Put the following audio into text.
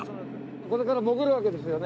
これから潜るわけですよね。